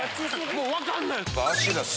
もう分かんない。